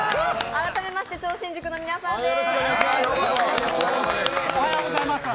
改めまして超新塾の皆さんです。